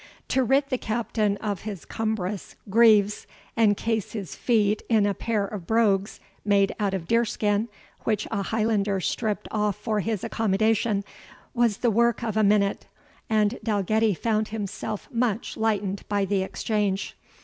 To rid the Captain of his cumbrous greaves, and case his feet in a pair of brogues made out of deerskin, which a Highlander stripped off for his accommodation, was the work of a minute, and Dalgetty found himself much lightened by the exchange.